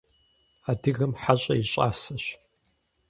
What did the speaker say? Адыгэм хьэщӀэ и щӀасэщ.